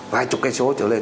vài chục cây số trở lên